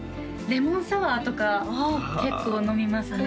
レモンサワーとか結構飲みますね